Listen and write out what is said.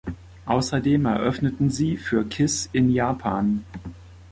Außerdem eröffneten sie für Kiss in Japan.